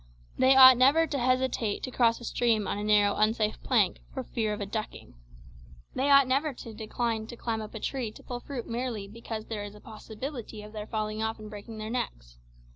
They ought never to hesitate to cross a stream on a narrow unsafe plank for fear of a ducking. They ought never to decline to climb up a tree to pull fruit merely because there is a possibility of their falling off and breaking their necks.